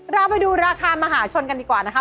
เราไปดูราคามหาชนกันดีกว่านะคะ